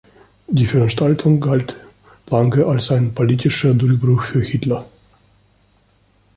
Die Veranstaltung galt lange als ein politischer Durchbruch für Hitler.